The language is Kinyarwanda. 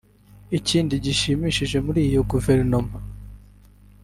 Ikindi gishimishije muri iyo Guverinoma